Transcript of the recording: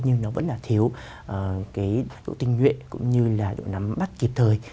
nhưng nó vẫn là thiếu cái độ tinh nguyện cũng như là độ nắm bắt kịp thời